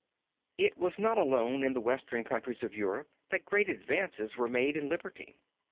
It was not alone in the western countries of Europe that great advances were made in liberty.